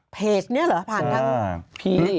เพจนี้เหรอผ่านทางผี